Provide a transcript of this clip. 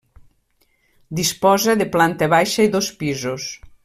Disposa de planta baixa i dos pisos.